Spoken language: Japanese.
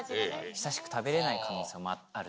久しく食べれない可能性もあるし。